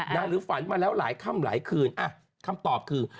ณฝันมาหลายคำหลายคืนคำตอบคือ